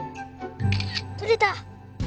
とれた！